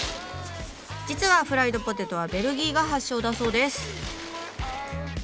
実はフライドポテトはベルギーが発祥だそうです。